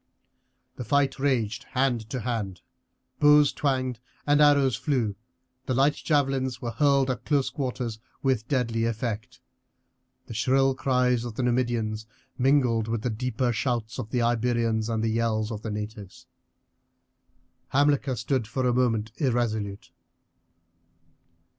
The fight raged hand to hand, bows twanged and arrows flew, the light javelins were hurled at close quarters with deadly effect, the shrill cries of the Numidians mingled with the deeper shouts of the Iberians and the yells of the natives. Hamilcar stood for a minute irresolute.